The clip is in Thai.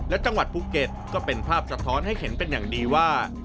และจังหวัดภูเก็ตก็เป็นภาพสะท้อนให้เห็นเป็นอย่างดีว่า